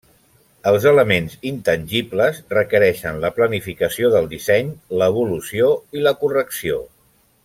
Els elements intangibles requereixen la planificació del disseny, l'evolució i la correcció.